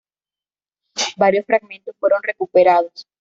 Varios fragmentos fueron recuperados.